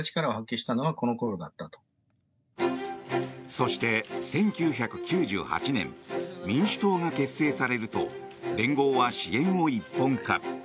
そして、１９９８年民主党が結成されると連合は支援を一本化。